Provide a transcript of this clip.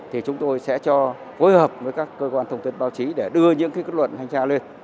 thì chúng tôi sẽ cho phối hợp với các cơ quan thông tin báo chí để đưa những kết luận thanh tra lên